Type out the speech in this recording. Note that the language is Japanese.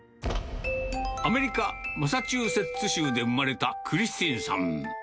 アメリカ・マサチューセッツ州で生まれたクリスティンさん。